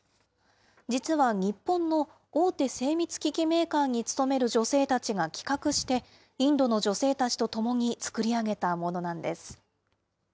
実は、日本の大手精密機器メーカーに勤める女性たちが企画して、インドの女性たちと共に作り上げたものなんです。